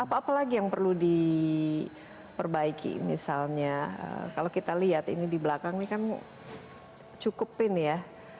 apa apa lagi yang perlu diperbaiki misalnya kalau kita lihat ini di belakang ini kan cukup ini ya